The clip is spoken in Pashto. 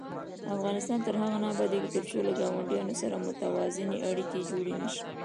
افغانستان تر هغو نه ابادیږي، ترڅو له ګاونډیانو سره متوازنې اړیکې جوړې نشي.